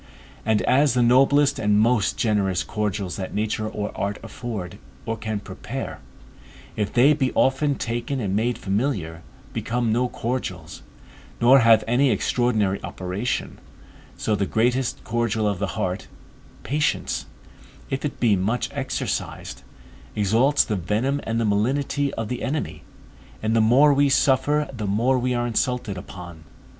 And as the noblest and most generous cordials that nature or art afford, or can prepare, if they be often taken and made familiar, become no cordials, nor have any extraordinary operation, so the greatest cordial of the heart, patience, if it be much exercised, exalts the venom and the malignity of the enemy, and the more we suffer the more we are insulted upon.